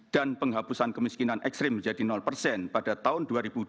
dan penghabusan kemiskinan ekstrim menjadi pada tahun dua ribu dua puluh empat